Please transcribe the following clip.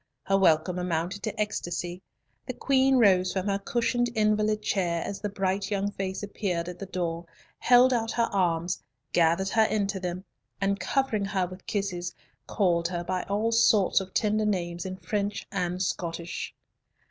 Her welcome amounted to ecstasy. The Queen rose from her cushioned invalid chair as the bright young face appeared at the door, held out her arms, gathered her into them, and, covering her with kisses, called her by all sorts of tender names in French and Scottish.